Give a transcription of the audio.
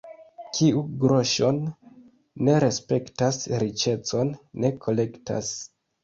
Kiu groŝon ne respektas, riĉecon ne kolektas.